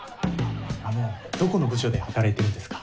あのどこの部署で働いてるんですか？